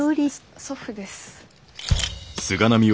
祖父です。